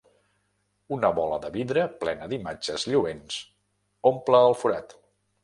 Una bola de vidre plena d'imatges lluents omple el forat.